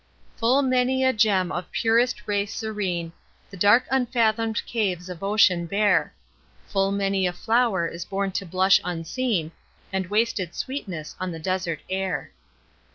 Full many a gem of purest ray serene The dark unfathomed caves of ocean bear: Full many a flower is born to blush unseen And waste its sweetness on the desert air.